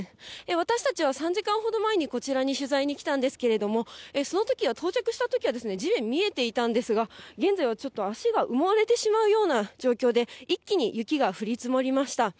私たちは３時間ほど前にこちらに取材に来たんですけれども、そのときは、到着したときは地面、見えていたんですが、現在はちょっと足が埋もれてしまうような状況で、一気に雪が降り積もりました。